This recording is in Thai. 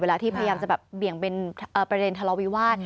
เวลาที่พยายามจะเบี่ยงเป็นประเด็นทะเลาวิวาส